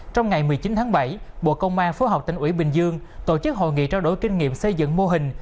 trong ngày một mươi chín tháng bảy bộ công an phối hợp tỉnh ủy bình dương tổ chức hội nghị trao đổi kinh nghiệm xây dựng mô hình